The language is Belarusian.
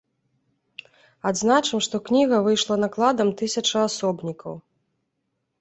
Адзначым, што кніга выйшла накладам тысяча асобнікаў.